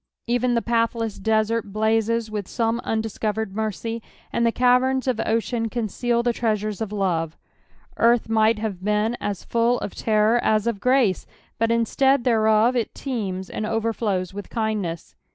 Even the pathless desert Mnzes with soroe undiscovered mercy, and the caverna of ocean conceal tile treasures of lore. Garth nuglit have been as full of terror as of grace, but instead (hereof it teems and overflows with kindness.